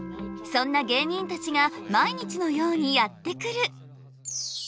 そんな芸人たちが毎日のようにやって来る。